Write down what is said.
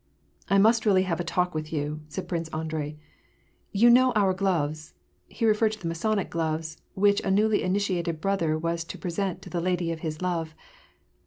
" I must, I really must have a talk with you," said Prince AndreL " You know our gloves," — he referred to the Masonic gloves, which a newly initiated brother was to pre sent to the lady of his love.